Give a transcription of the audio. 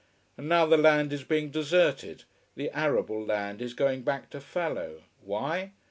And now the land is being deserted, the arable land is going back to fallow. Why?